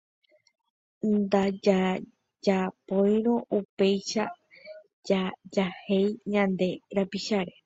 Ndajajapóirõ upéicha jajahéi ñande rapicháre.